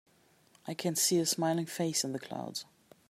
I can see a smiling face in the clouds.